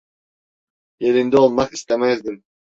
Yerinde olmak istemezdim.